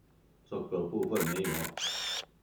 這個部分沒有？